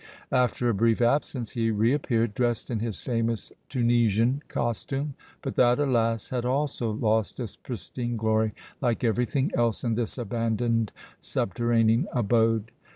After a brief absence he reappeared dressed in his famous Tunisian costume, but that, alas! had also lost its pristine glory like everything else in this abandoned subterranean abode.